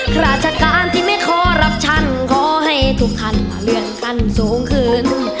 ข้าราชการที่ไม่ขอรับฉันขอให้ทุกขันต์มาเลือกขันต์สูงขึ้น